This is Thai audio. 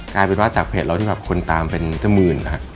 กลายเป็นว่าจากเพจเราที่แบบคนตามเป็นเจ้าหมื่นนะฮะ